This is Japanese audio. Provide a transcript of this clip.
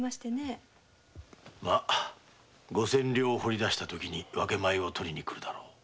五千両を掘り出した時に分け前を取りに来るだろう